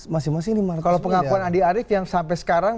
masing masing lima ratus miliar kalau pengakuan andi arief yang sampai sekarang